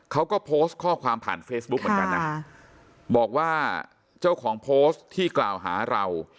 เขาก็โพสต์ข้อความผ่านเฟซบุ๊กเหมือนกันนะบอกว่าเจ้าของโพสต์ที่กล่าวหาเรา